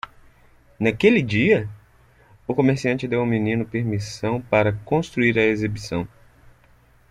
Naquele dia?, o comerciante deu ao menino permissão para construir a exibição.